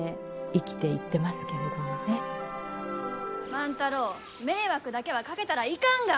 万太郎迷惑だけはかけたらいかんが！